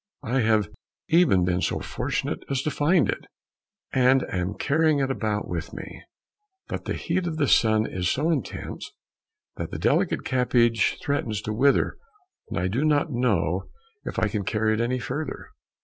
I have even been so fortunate as to find it, and am carrying it about with me; but the heat of the sun is so intense that the delicate cabbage threatens to wither, and I do not know if I can carry it any further."